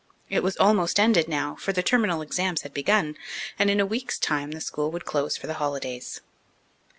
It was almost ended now, for the terminal exams had begun, and in a week's time the school would close for the holidays.